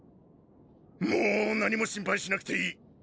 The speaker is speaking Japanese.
もう何も心配しなくていい。